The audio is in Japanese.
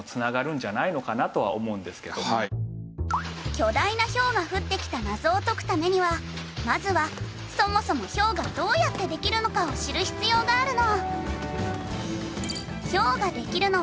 巨大なひょうが降ってきた謎を解くためにはまずはそもそもひょうがどうやってできるのかを知る必要があるの。